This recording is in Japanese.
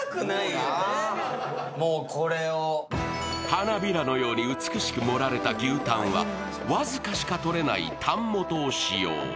花びらのように美しく盛られた牛タンは僅かしかとれないタン元を使用。